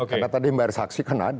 karena tadi mbak aris saksikan ada